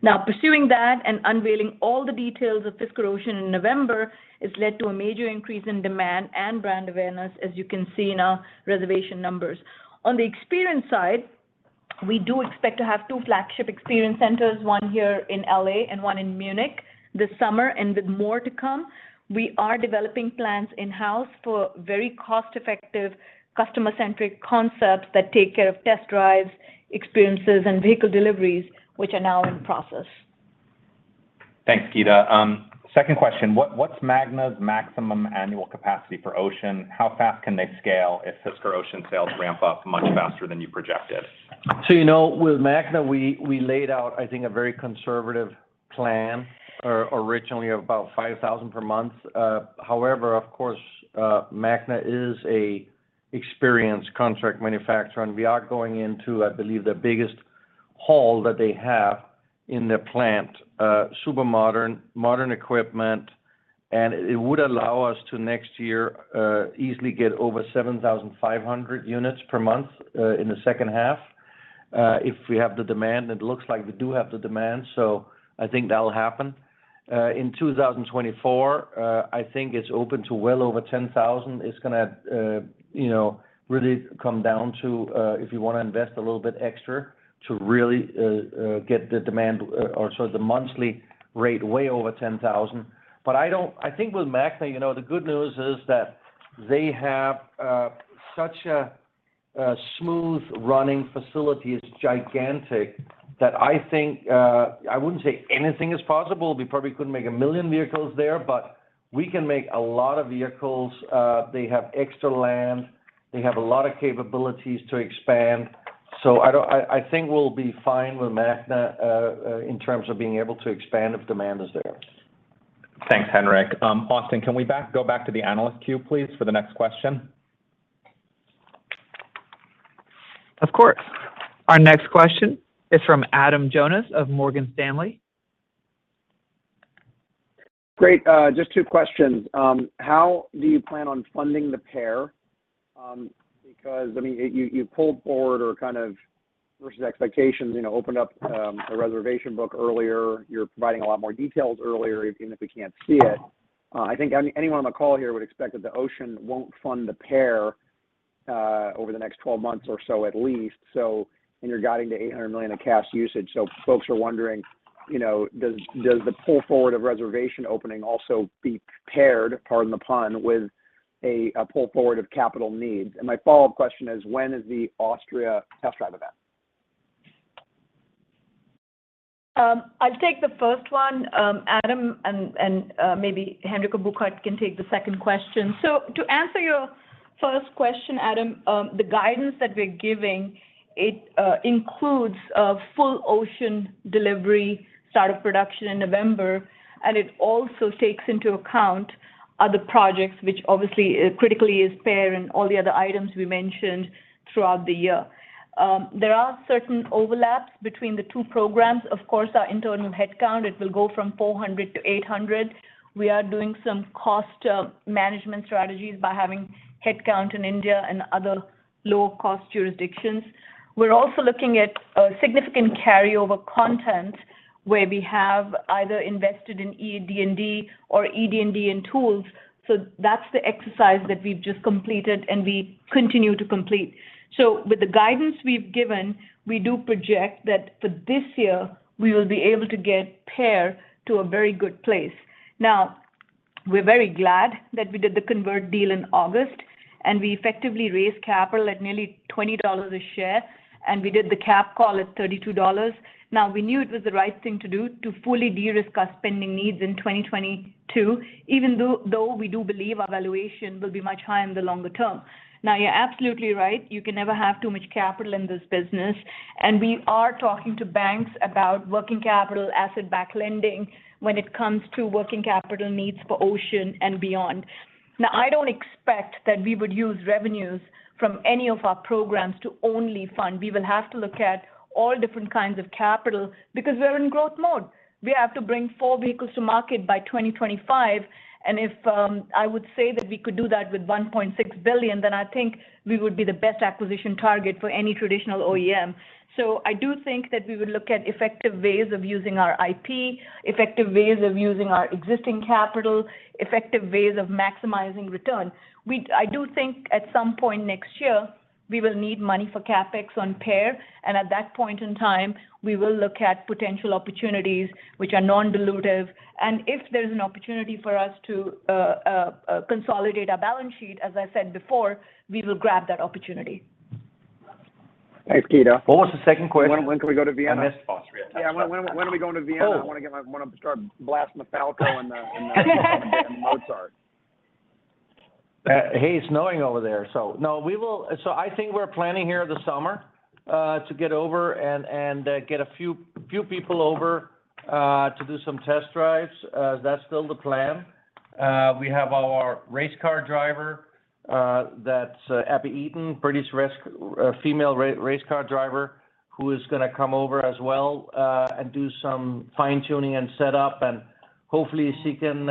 Now, pursuing that and unveiling all the details of Fisker Ocean in November has led to a major increase in demand and brand awareness, as you can see in our reservation numbers. On the experience side, we do expect to have two flagship experience centers, one here in L.A. and one in Munich this summer, and with more to come. We are developing plans in-house for very cost-effective, customer-centric concepts that take care of test drives, experiences, and vehicle deliveries, which are now in process. Thanks, Geeta. Second question. What's Magna's maximum annual capacity for Ocean? How fast can they scale if Fisker Ocean sales ramp up much faster than you projected? You know, with Magna, we laid out, I think, a very conservative plan originally about 5,000 per month. However, of course, Magna is an experienced contract manufacturer, and we are going into, I believe, the biggest hall that they have in their plant. Super modern equipment, and it would allow us to next year easily get over 7,500 units per month in the second half if we have the demand. It looks like we do have the demand, so I think that'll happen. In 2024, I think it's open to well over 10,000. It's gonna, you know, really come down to if you wanna invest a little bit extra to really get the demand or so the monthly rate way over 10,000. I think with Magna, you know, the good news is that they have such a smooth running facility. It's so gigantic that I think I wouldn't say anything is possible. We probably couldn't make 1 million vehicles there, but we can make a lot of vehicles. They have extra land. They have a lot of capabilities to expand. I think we'll be fine with Magna in terms of being able to expand if demand is there. Thanks, Henrik. Austin, can we go back to the analyst queue, please, for the next question? Of course. Our next question is from Adam Jonas of Morgan Stanley. Great. Just two questions. How do you plan on funding the Pear? Because I mean, you pulled forward or kind of versus expectations, you know, opened up a reservation book earlier. You're providing a lot more details earlier, even if we can't see it. I think anyone on the call here would expect that the Ocean won't fund the Pear over the next 12 months or so, at least. You're guiding to $800 million of cash usage. Folks are wondering, you know, does the pull forward of reservation opening also be paired, pardon the pun, with a pull forward of capital needs? My follow-up question is, when is the Austria test drive event? I'll take the first one, Adam, and maybe Henrik or Burkhard can take the second question. To answer your first question, Adam, the guidance that we're giving includes a full Ocean delivery start of production in November, and it also takes into account other projects, which obviously critically is Fisker and all the other items we mentioned throughout the year. There are certain overlaps between the two programs. Of course, our internal headcount will go from 400 to 800. We are doing some cost management strategies by having headcount in India and other low-cost jurisdictions. We're also looking at a significant carryover content where we have either invested in ED&D or ED&D and tools. That's the exercise that we've just completed and we continue to complete. With the guidance we've given, we do project that for this year, we will be able to get Pear to a very good place. Now, we're very glad that we did the convert deal in August, and we effectively raised capital at nearly $20 a share, and we did the cap call at $32. Now, we knew it was the right thing to do to fully de-risk our spending needs in 2022, even though we do believe our valuation will be much higher in the longer term. Now, you're absolutely right. You can never have too much capital in this business. We are talking to banks about working capital, asset-backed lending when it comes to working capital needs for Ocean and beyond. Now, I don't expect that we would use revenues from any of our programs to only fund. We will have to look at all different kinds of capital because we're in growth mode. We have to bring four vehicles to market by 2025. If I would say that we could do that with $1.6 billion, then I think we would be the best acquisition target for any traditional OEM. I do think that we would look at effective ways of using our IP, effective ways of using our existing capital, effective ways of maximizing return. I do think at some point next year, we will need money for CapEx on Pear, and at that point in time, we will look at potential opportunities which are non-dilutive. If there's an opportunity for us to consolidate our balance sheet, as I said before, we will grab that opportunity. Thanks, Geeta. What was the second question? When can we go to Vienna? I missed Austria. Yeah. When are we going to Vienna? Oh. I want to start blasting Falco in the Mozart. Hey, it's snowing over there. No, we will. I think we're planning here this summer to get over and get a few people over to do some test drives. That's still the plan. We have our race car driver, that's Abbie Eaton, British female race car driver who is gonna come over as well and do some fine-tuning and set up. Hopefully she can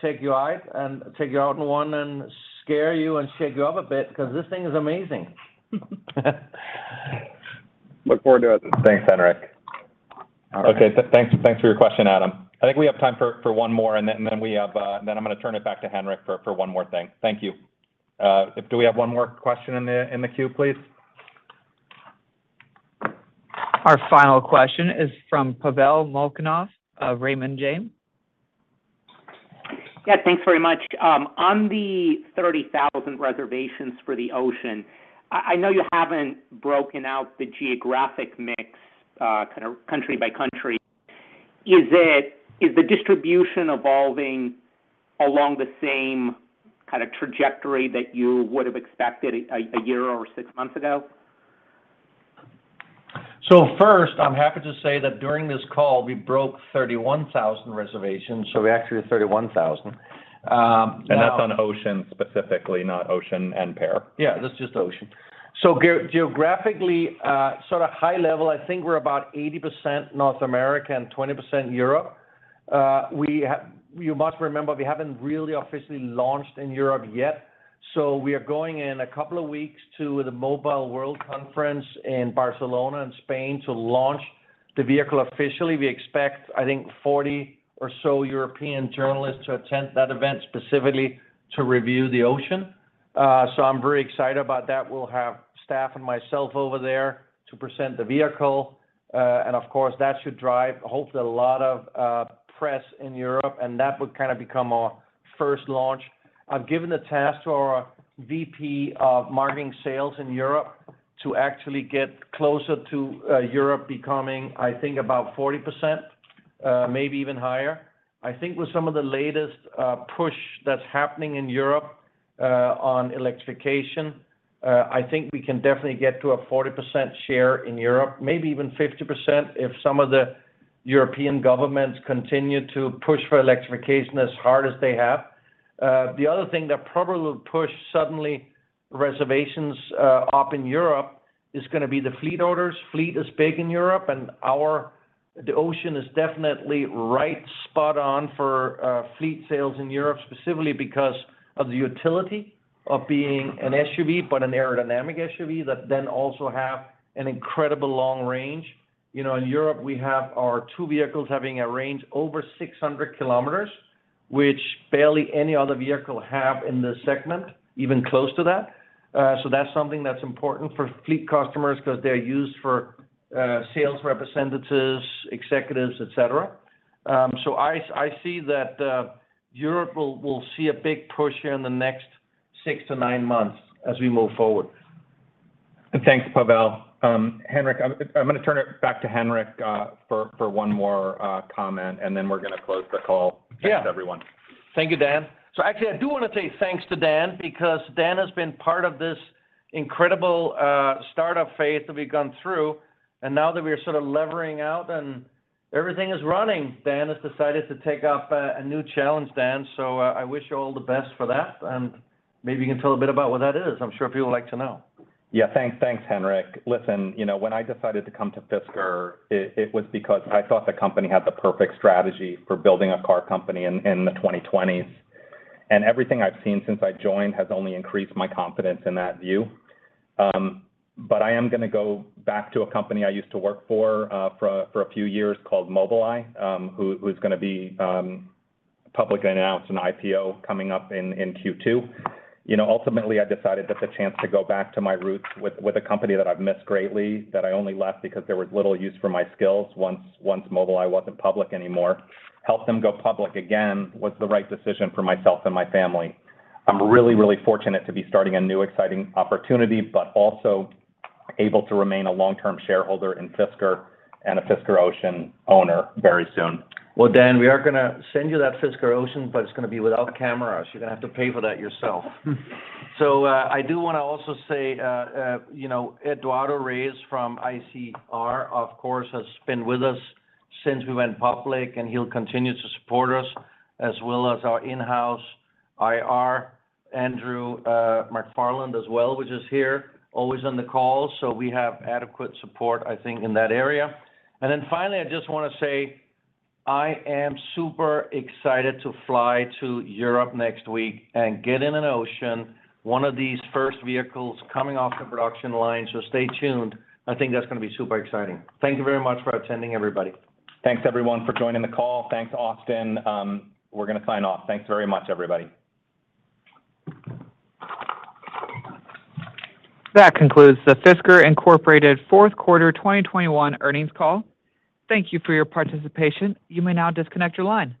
take you out in one and scare you and shake you up a bit because this thing is amazing. Look forward to it. Thanks, Henrik. All right. Okay. Thanks for your question, Adam. I think we have time for one more, and then I'm gonna turn it back to Henrik for one more thing. Thank you. Do we have one more question in the queue, please? Our final question is from Pavel Molchanov of Raymond James. Yeah, thanks very much. On the 30,000 reservations for the Ocean, I know you haven't broken out the geographic mix, kind of country by country. Is the distribution evolving along the same kind of trajectory that you would have expected a year or six months ago? First, I'm happy to say that during this call, we broke 31,000 reservations, so we're actually at 31,000. That's on Ocean specifically, not Ocean and Pear. Yeah, that's just Ocean. Geographically, sort of high level, I think we're about 80% North America and 20% Europe. You must remember, we haven't really officially launched in Europe yet. We are going in a couple of weeks to the Mobile World Congress in Barcelona and Spain to launch the vehicle officially. We expect, I think, 40 or so European journalists to attend that event, specifically to review the Ocean. I'm very excited about that. We'll have staff and myself over there to present the vehicle. Of course, that should drive, hopefully, a lot of press in Europe, and that would kind of become our first launch. I've given the task to our VP of marketing sales in Europe to actually get closer to Europe becoming, I think, about 40%, maybe even higher. I think with some of the latest push that's happening in Europe on electrification, I think we can definitely get to a 40% share in Europe, maybe even 50% if some of the European governments continue to push for electrification as hard as they have. The other thing that probably will push suddenly reservations up in Europe is gonna be the fleet orders. Fleet is big in Europe, and our Ocean is definitely right spot on for fleet sales in Europe specifically because of the utility of being an SUV, but an aerodynamic SUV that then also have an incredible long range. You know, in Europe, we have our two vehicles having a range over 600 km, which barely any other vehicle have in this segment, even close to that. That's something that's important for fleet customers 'cause they're used for sales representatives, executives, et cetera. I see that Europe will see a big push here in the next six to nine months as we move forward. Thanks, Pavel. Henrik, I'm gonna turn it back to Henrik for one more comment, and then we're gonna close the call. Yeah Thanks to everyone. Thank you, Dan. Actually, I do wanna say thanks to Dan because Dan has been part of this incredible startup phase that we've gone through. Now that we are sort of leveling out and everything is running, Dan has decided to take up a new challenge, Dan, so I wish you all the best for that. Maybe you can tell a bit about what that is. I'm sure people would like to know. Yeah. Thanks, Henrik. Listen, you know, when I decided to come to Fisker, it was because I thought the company had the perfect strategy for building a car company in the 2020s. Everything I've seen since I've joined has only increased my confidence in that view. But I am gonna go back to a company I used to work for for a few years called Mobileye, who's gonna be public and announce an IPO coming up in Q2. You know, ultimately, I decided that the chance to go back to my roots with a company that I've missed greatly, that I only left because there was little use for my skills once Mobileye wasn't public anymore, help them go public again, was the right decision for myself and my family. I'm really, really fortunate to be starting a new exciting opportunity, but also able to remain a long-term shareholder in Fisker and a Fisker Ocean owner very soon. Well, Dan, we are gonna send you that Fisker Ocean, but it's gonna be without cameras. You're gonna have to pay for that yourself. I do wanna also say, you know, Eduardo Reis from ICR, of course, has been with us since we went public, and he'll continue to support us, as well as our in-house IR, Andrew McFarland as well, which is here, always on the call. We have adequate support, I think, in that area. Finally, I just wanna say, I am super excited to fly to Europe next week and get in an Ocean, one of these first vehicles coming off the production line, so stay tuned. I think that's gonna be super exciting. Thank you very much for attending, everybody. Thanks everyone for joining the call. Thanks, Austin. We're gonna sign off. Thanks very much, everybody. That concludes the Fisker Inc fourth quarter 2021 earnings call. Thank you for your participation. You may now disconnect your line.